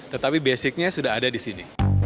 tetapi basicnya sudah ada di sini